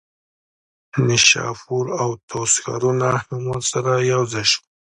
نیشاپور او طوس ښارونه هم ورسره یوځای شول.